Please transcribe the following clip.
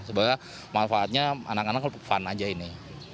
sebenarnya manfaatnya anak anak fun aja ini